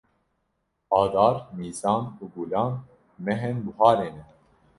Adar, Nîsan û Gulan mehên buharê ne.